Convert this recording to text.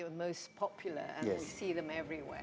dan kami melihatnya di mana mana saja